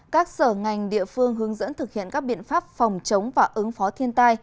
các sở ngành địa phương hướng dẫn thực hiện các biện pháp phòng chống và ứng phó thiên tai